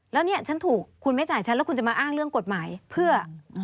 แล้วเนี่ยฉันถูกคุณไม่จ่ายฉันแล้วคุณจะมาอ้างเรื่องกฎหมายเพื่อ